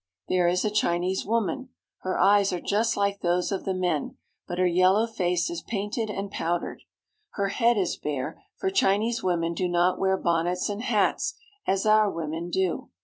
There is a Chinese woman. Her eyes are just like those of the men, but her yellow face is painted and pow dered. Her head is bare, for Chinese women'do not wear bonnets and hats as our women do.